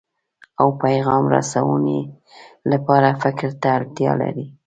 او پیغام رسونې لپاره فکر ته اړتیا لري.